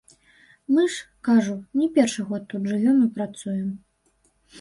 Мы ж, кажу, не першы год тут жывём і працуем.